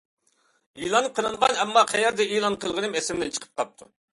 ئېلان قىلىنغان، ئەمما قەيەردە ئېلان قىلغىنىم ئېسىمدىن چىقىپ قاپتۇ.